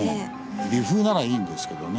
微風ならいいんですけどね。